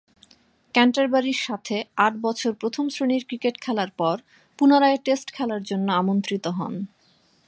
ক্যান্টারবারির সাথে আট বছর প্রথম-শ্রেণীর ক্রিকেট খেলার পর পুনরায় টেস্ট খেলার জন্য আমন্ত্রিত হন।